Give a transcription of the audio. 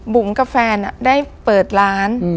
บุ๋มกับแฟนได้เปิดร้าน